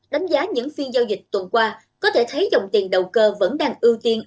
đánh giá những phiên giao dịch tuần qua có thể thấy dòng tiền đầu cơ vẫn đang ưu tiên